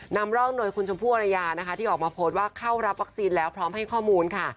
นำร่องโดยคุณชมพู่อรยานะคะที่ออกมาโพสต์ว่าเข้ารับวัคซีนแล้วพร้อมให้ข้อมูลค่ะ